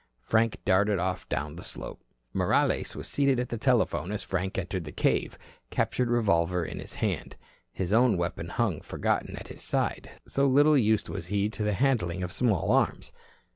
Frank darted off down the slope. Morales was seated at the telephone as Frank entered the cave, captured revolver in his hand. His own weapon hung forgotten at his side, so little used was he to the handling of small arms.